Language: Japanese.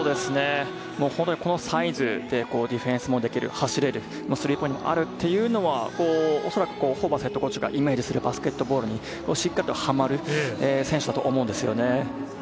このサイズでディフェンスもできる、走れる、スリーポイントもあるというのは、おそらくホーバスＨＣがイメージするバスケットボールにしっかりとハマる選手だと思います。